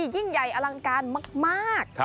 ยิ่งใหญ่อลังการมาก